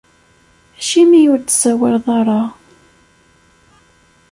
Acimi ur d-tsawaleḍ ara?